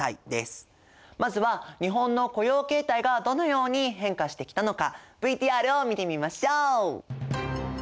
まずは日本の雇用形態がどのように変化してきたのかＶＴＲを見てみましょう！